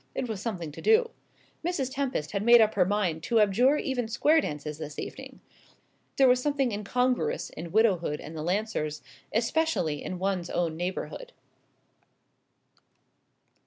It was something to do. Mrs. Tempest had made up her mind to abjure even square dances this evening. There was something incongruous in widowhood and the Lancers; especially in one's own neighbourhood.